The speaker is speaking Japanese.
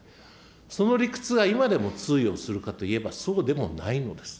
その理屈が今でも通用するかといえば、そうでもないのです。